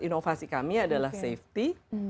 inovasi kami adalah safety